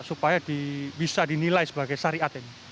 supaya bisa dinilai sebagai syariat ini